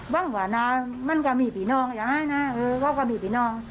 อย่างนั้นนะก็บีบอีน้อง